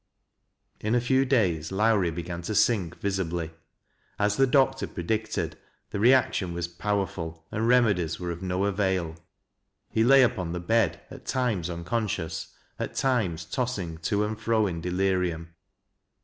In a few days Lowrie began to sink visibly. As the ilactor predicted, the reaction was powerful, and remedies were of no avail. He lay upon the bed, at tiir.os uncon cious, at times tossing to and fro in delirium.